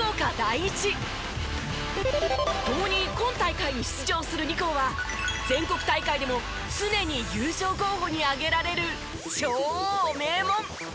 共に今大会に出場する２校は全国大会でも常に優勝候補に挙げられる超名門。